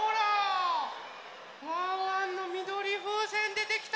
ワンワンのみどりふうせんでてきた。